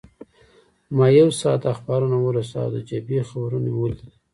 ما یو ساعت اخبارونه ولوستل او د جبهې خبرونه مې ولیدل.